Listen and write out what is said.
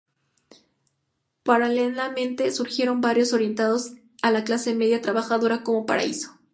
Paralelamente, surgieron barrios orientados a la clase media trabajadora como Paraíso.